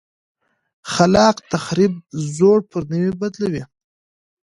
خلاق تخریب زوړ پر نوي بدلوي.